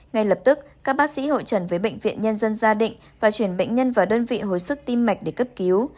ngay lập tức các bác sĩ hội trần với bệnh viện nhân dân gia định và chuyển bệnh nhân vào đơn vị hồi sức tim mạch để cấp cứu